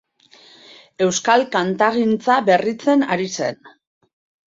Euskal kantagintza berritzen ari zen.